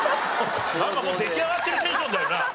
なんかもう出来上がってるテンションだよな。